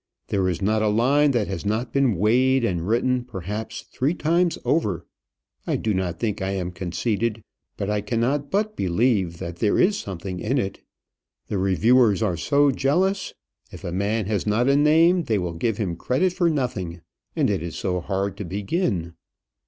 There is not a line that has not been weighed and written, perhaps, three times over. I do not think I am conceited; but I cannot but believe that there is something in it. The reviewers are so jealous! if a man has not a name, they will give him credit for nothing; and it is so hard to begin."